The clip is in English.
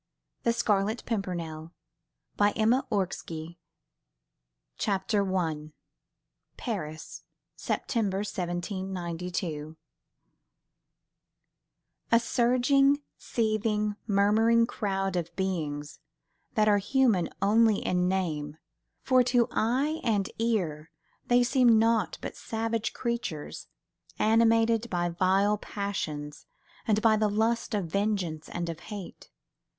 THE SCHOONER XXXI. THE ESCAPE CHAPTER I. PARIS: SEPTEMBER, 1792 A surging, seething, murmuring crowd of beings that are human only in name, for to the eye and ear they seem naught but savage creatures, animated by vile passions and by the lust of vengeance and of hate.